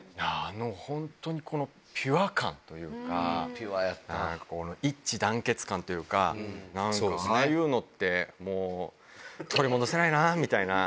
本当にこのピュア感というか、一致団結感というか、なんかああいうのって、もう、取り戻せないなみたいな。